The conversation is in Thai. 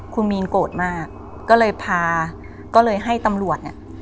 คุณมีนโกรธมากก็เลยพาก็เลยให้ตำรวจเนี่ย